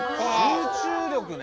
集中力ね。